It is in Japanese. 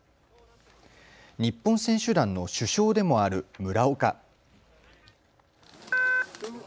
日本選手団の主将でもある村岡。